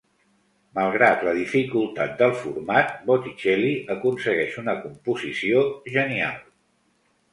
Malgrat la dificultat del format, Botticelli aconsegueix una composició genial.